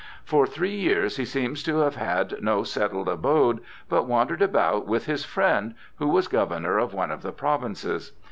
For three years he seems to have had no settled abode, but wandered about with his friend, who was governor of one of the provinces.